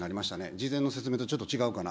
事前の説明とちょっと違うかな。